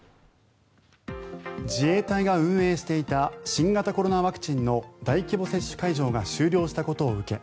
自衛隊が運営していた新型コロナワクチンの大規模接種会場が終了したことを受け